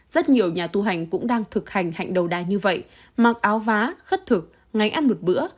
rất nhiều nhà tu hành cũng đang thực hành hạnh đầu đà như vậy mặc áo vá khất thực ngày ăn một bữa